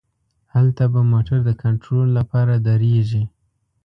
هلته به موټر د کنترول له پاره دریږي.